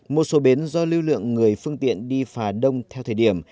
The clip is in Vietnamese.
một số bến do lưu lượng người phương tiện đi phà đông theo thời điểm